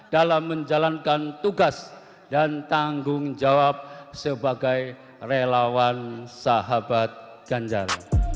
dalam menjalankan tugas dan tanggung jawab sebagai relawan sahabat ganjar